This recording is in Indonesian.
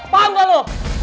paham gak lu